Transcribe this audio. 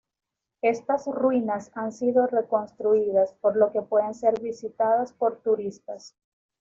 Estas ruinas han sido reconstruidas, por lo que pueden ser visitadas por turistas.